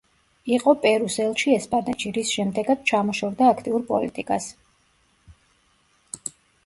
იყო პერუს ელჩი ესპანეთში, რის შემდეგაც ჩამოშორდა აქტიურ პოლიტიკას.